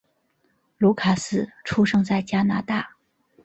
卢卡斯出生在加拿大。